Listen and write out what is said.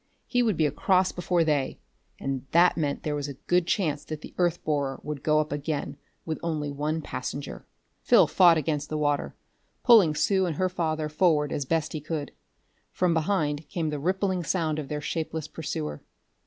He would be across before they; and that meant there was a good chance that the earth borer would go up again with only one passenger.... Phil fought against the water, pulling Sue and her father forward as best he could. From behind came the rippling sound of their shapeless pursuer.